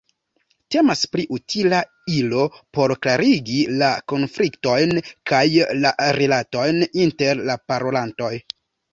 Temas pri utila ilo por klarigi la konfliktojn kaj la rilatojn inter la parolantoj.